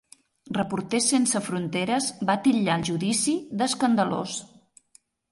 Reporters Sense Fronteres va titllar el judici d'escandalós.